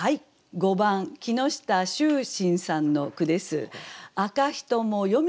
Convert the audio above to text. ５番木下秀信さんの句です。